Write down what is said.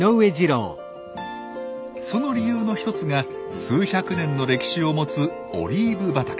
その理由の１つが数百年の歴史を持つオリーブ畑。